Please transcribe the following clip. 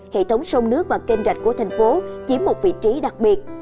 hệ thống sông nước và kênh rạch của thành phố chiếm một vị trí đặc biệt